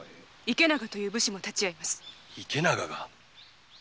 池永が？